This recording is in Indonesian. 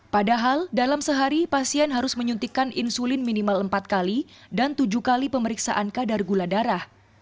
padahal dalam sehari pasien harus menyuntikkan insulin minimal empat kali dan tujuh kali pemeriksaan kadar gula darah